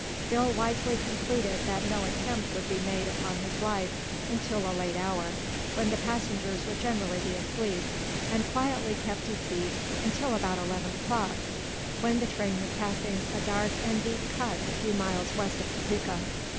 Bill wisely concluded that no attempt would be made upon his life until a late hour, when the passengers would generally be asleep, and quietly kept his seat until about eleven o'clock, when the train was passing a dark and deep cut a few miles west of Topeka.